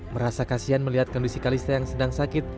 merasa kasian melihat kondisi kalista yang sedang sakit